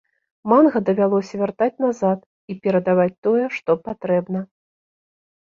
Манга давялося вяртаць назад і перадаваць тое, што патрэбна.